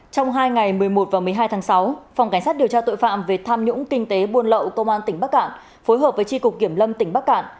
trong hai ngày một mươi một và một mươi hai tháng sáu phòng cảnh sát điều tra tội phạm về tham nhũng kinh tế buôn lậu công an tỉnh bắc cạn phối hợp với tri cục kiểm lâm tỉnh bắc cạn